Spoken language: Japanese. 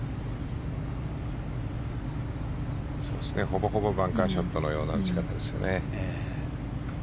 ほぼほぼバンカーショットのような打ち方ですね。